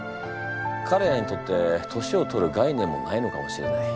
かれらにとって年を取るがいねんもないのかもしれない。